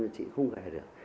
chị không về được